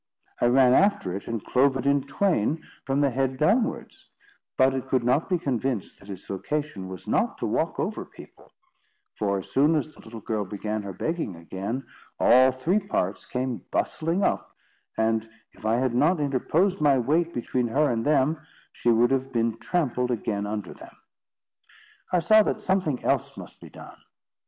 I ran after it, and clove it in twain from the head downwards; but it could not be convinced that its vocation was not to walk over people; for, as soon as the little girl began her begging again, all three parts came bustling up; and if I had not interposed my weight between her and them, she would have been trampled again under them. I saw that something else must be done.